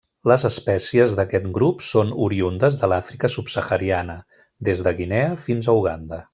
Les espècies d'aquest grup són oriündes de l'Àfrica subsahariana, des de Guinea fins a Uganda.